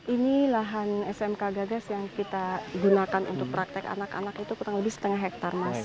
ini lahan smk gagas yang kita gunakan untuk praktek anak anak itu kurang lebih setengah hektare mas